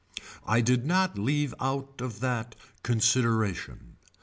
I did not leave out of that, consideration.